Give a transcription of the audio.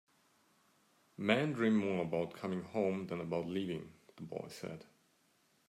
"Men dream more about coming home than about leaving," the boy said.